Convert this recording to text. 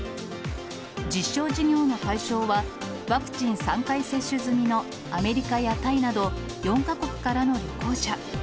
実証事業の対象は、ワクチン３回接種済みのアメリカやタイなど、４か国からの旅行者。